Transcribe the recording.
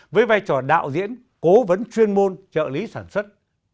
với vai trò đạo diễn cố vấn chuyên môn trợ lý sản xuất